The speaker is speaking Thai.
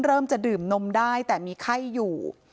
เริ่มจะดื่มนมได้แต่มีไข้อยู่